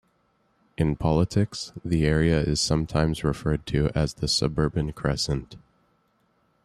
In politics, the area is sometimes referred to as the "suburban crescent".